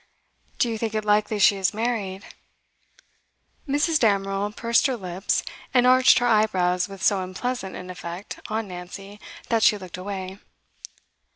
'Do you think it likely she is married?' Mrs. Damerel pursed her lips and arched her eyebrows with so unpleasant an effect on Nancy that she looked away.